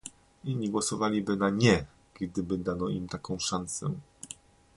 Inni głosowaliby na "nie", gdyby dano im taką szansę